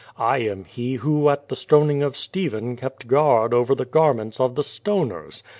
I am he who at the stoning of Stephen kept guard over the garments of the stoners.